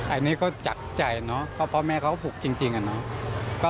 อันนี้ก็จากใจเนอะเพราะพ่อแม่เขาก็ผูกจริงอะเนาะ